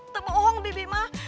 tepuk tangan bibi mah